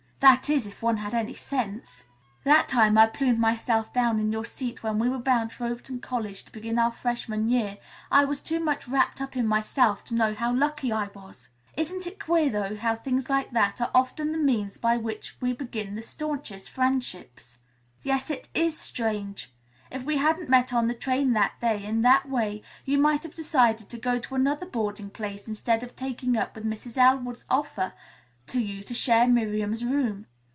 That is, if one had any sense. That time I plumped myself down in your seat when we were bound for Overton College to begin our freshman year, I was too much wrapped up in myself to know how lucky I was. Isn't it queer, though, how things like that are often the means by which we begin the staunchest friendships?" "Yes, it is strange. If we hadn't met on the train that day in that way, you might have decided to go to another boarding place instead of taking up with Mrs. Elwood's offer to you to share Miriam's room.